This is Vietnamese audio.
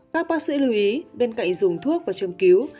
các bác sĩ lưu ý bên cạnh dùng thuốc và châm cứu